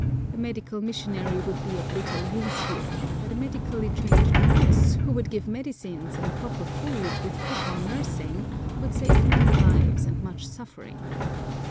A medical missionary would be of little use here; but a medically trained nurse, who would give medicines and proper food, with proper nursing, would save many lives and much suffering.